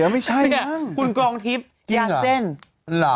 ไม่ใช่รึเป็นน่ะ